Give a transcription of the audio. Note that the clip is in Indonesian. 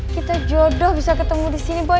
kita jodoh bisa ketemu di sini boy